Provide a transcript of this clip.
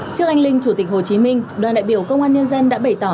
trước anh linh chủ tịch hồ chí minh đoàn đại biểu công an nhân dân đã bày tỏ